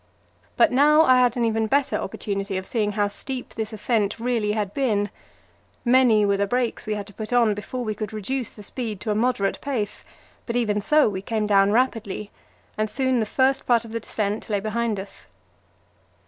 But now I had an even better opportunity of seeing how steep this ascent really had been. Many were the brakes we had to put on before we could reduce the speed to a moderate pace, but even so we came down rapidly, and soon the first part of the descent lay behind us.